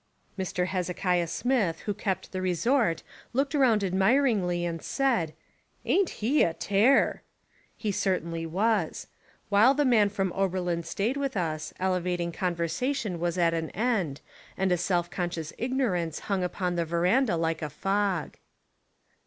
Mr. Hezekiah Smith who kept the re sort looked round admiringly and said, "Ain't he a terrf" He certainly was. While the man from Oberlin stayed with us, elevating conver sation was at an end, and a self conscious ig norance hung upon the verandah like a fog.